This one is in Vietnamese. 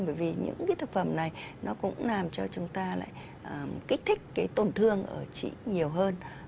bởi vì những cái thực phẩm này nó cũng làm cho chúng ta lại kích thích cái tổn thương ở chị nhiều hơn